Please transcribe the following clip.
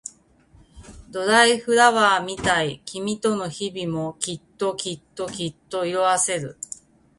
ドライフラワーみたい君との日々もきっときっときっと色あせる